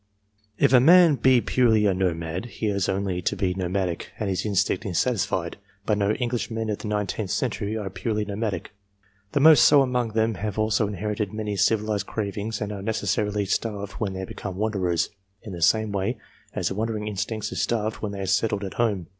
If a man be purely a nomad, he has only to be nomadic, and his instinct is satisfied ; but no Englishmen of the nineteenth century are purely nomadic. The most so among them have also inherited many civilized cravings that are necessarily starved when they become wanderers, in the same way as the wandering in stincts are starved when they are settled at home.